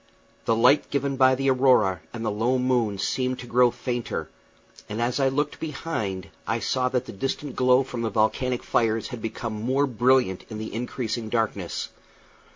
The light given by the aurora and the low moon seemed to grow fainter; and as I looked behind I saw that the distant glow from the volcanic fires had become more brilliant in the increasing darkness.